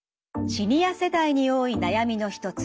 シニア世代に多い悩みの一つ